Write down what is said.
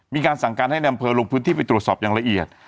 มีการสั่งการให้ในอำเภอลงพื้นที่ไปตรวจสอบอย่างละเอียด